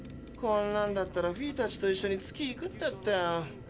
こんなんだったらフィーたちと一緒に月に行くんだったよ。